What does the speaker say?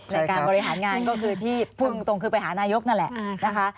ในการบริหารงานก็คือที่พูดตรงคือไปหานายกนั่นแหละนะคะ